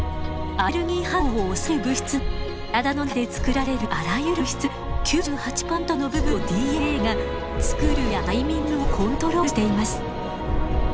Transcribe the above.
アレルギー反応を抑える物質など体の中で作られるあらゆる物質で９８％の部分のＤＮＡが作る量やタイミングをコントロールしています。